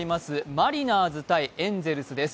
マリナーズ×エンゼルスです。